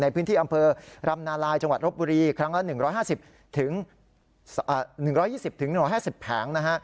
ในพื้นที่อำเภอรำนาลายจังหวัดรบบุรีครั้งละ๑๕๐๑๒๐๑๕๐แผงนะฮะ